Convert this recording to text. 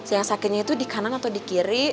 yang sakitnya itu di kanan atau di kiri